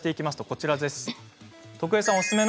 こちらです。